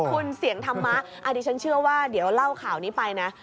คุณเสียงธรรมะอันนี้ฉันเชื่อว่าเดี๋ยวเล่าข่าวนี้ไปนะ